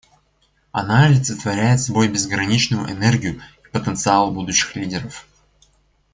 Она олицетворяет собой безграничную энергию и потенциал будущих лидеров.